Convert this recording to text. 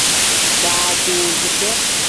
Daadoside.